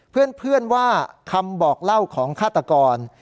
เพื่อนว่าคำบอกเล่าของฆาตกร